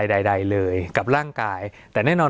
สวัสดีครับทุกผู้ชม